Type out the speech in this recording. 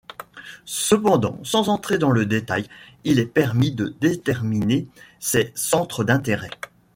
Cependant, sans entrer dans le détail, il est permis de déterminer ses centres d’intérêt.